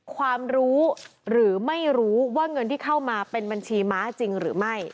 ความรู้หรือไม่รู้ว่าเงินที่เข้ามาเป็นบัญชีม้าจริงหรือไม่